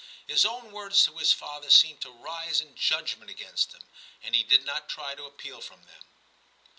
His own words to his father seemed to rise in judgment against him, and he did not try to appeal from them.